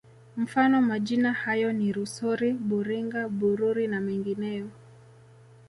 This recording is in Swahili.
Mfano majina hayo ni Rusori Buringa Bururi na mengineyo